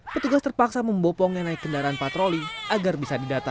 petugas terpaksa membopong yang naik kendaraan patroli agar bisa didata